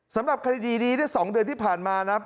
สำหรับคดีดีนี่สองเดือนที่ผ่านมานะ